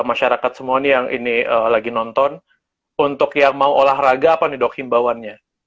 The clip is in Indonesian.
masyarakat semua nih yang ini lagi nonton untuk yang mau olahraga apa nih dok himbauannya